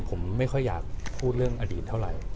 ผมไม่ค่อยอยากพูดเรื่องอดีตเท่าไหร่